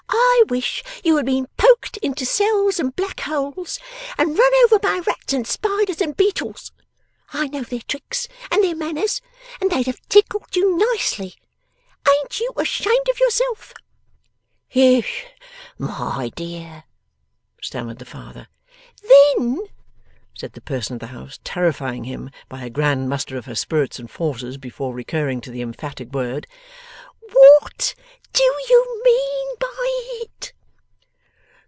'I wish you had been poked into cells and black holes, and run over by rats and spiders and beetles. I know their tricks and their manners, and they'd have tickled you nicely. Ain't you ashamed of yourself?' 'Yes, my dear,' stammered the father. 'Then,' said the person of the house, terrifying him by a grand muster of her spirits and forces before recurring to the emphatic word, 'WHAT do you mean by it?